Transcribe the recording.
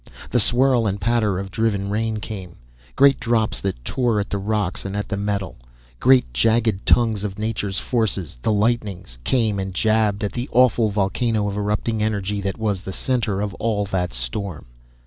The swirl and patter of driven rain came great drops that tore at the rocks, and at the metal. Great jagged tongues of nature's forces, the lightnings, came and jabbed at the awful volcano of erupting energy that was the center of all that storm.